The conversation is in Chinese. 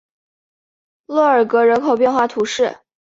洛尔格人口变化图示